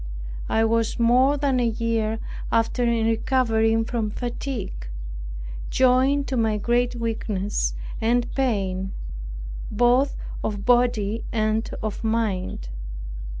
I was more than a year after in recovering from fatigue, joined to my great weakness and pain both of body and of mind.